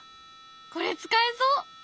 これ使えそう！